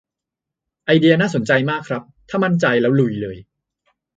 ไอเดียน่าสนใจมากครับ ถ้ามั่นใจแล้วลุยเลย